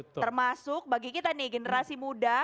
termasuk bagi kita nih generasi muda